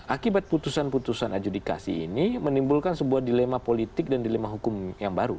akibat putusan putusan adjudikasi ini menimbulkan sebuah dilema politik dan dilema hukum yang baru